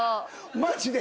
マジで。